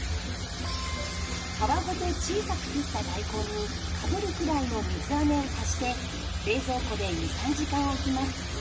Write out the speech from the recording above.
皮ごと小さく切った大根にかぶるくらいの水あめを足して冷蔵庫で２３時間おきます。